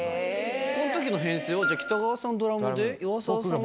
この時の編成はじゃあ北川さんドラムで岩沢さんが。